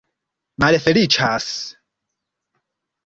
malfeliĉas